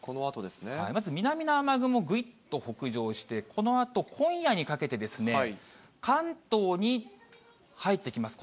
まず南の雨雲、ぐいっと北上して、このあと今夜にかけてですね、関東に入ってきます。